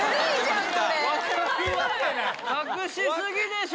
隠し過ぎでしょ。